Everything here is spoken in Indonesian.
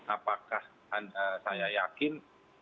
apakah saya yakin